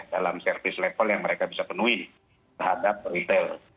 dalam service level yang mereka bisa penuhi terhadap retail